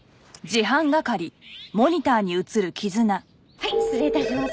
はい失礼致します。